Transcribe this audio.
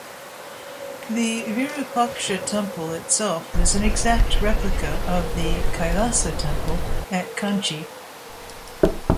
The Virupaksha temple itself is an exact replica of the Kailasa temple at Kanchi.